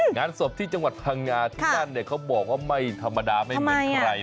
งานศพที่จังหวัดพังงาที่นั่นเนี่ยเขาบอกว่าไม่ธรรมดาไม่เหมือนใคร